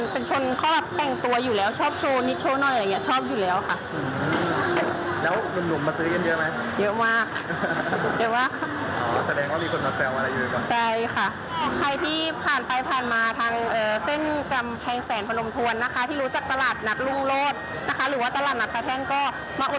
ปกติเป็นคนชอบคนเป็นชนเขาแบบแต่งตัวอยู่แล้วชอบโชว์นิทโชว์หน่อยอะไรอย่างเงี้ย